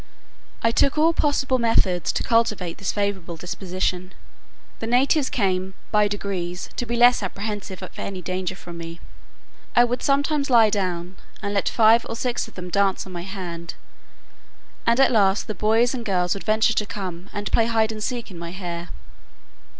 I took all possible methods to cultivate this favourable disposition. The natives came, by degrees, to be less apprehensive of any danger from me. I would sometimes lie down, and let five or six of them dance on my hand; and at last the boys and girls would venture to come and play at hide and seek in my hair.